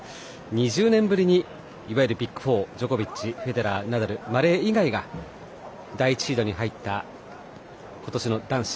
２０年ぶりにいわゆるビッグ４ジョコビッチ、フェデラーナダル、マレー以外が第１シードに入った今年の男子。